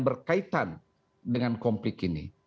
berkaitan dengan konflik ini